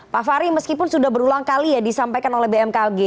pak fahri meskipun sudah berulang kali ya disampaikan oleh bmkg